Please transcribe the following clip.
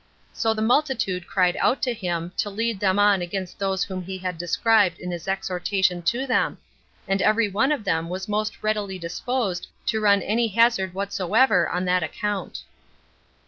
So the multitude cried out to him, to lead them on against those whom he had described in his exhortation to them, and every one of them was most readily disposed to run any hazard whatsoever on that account.